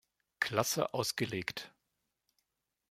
Klasse ausgelegt.